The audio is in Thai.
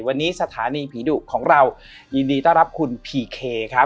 วันนี้สถานีผีดุของเรายินดีต้อนรับคุณพีเคครับ